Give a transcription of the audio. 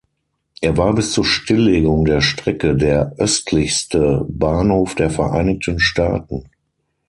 Er war bis zur Stilllegung der Strecke der östlichste Bahnhof der Vereinigten Staaten.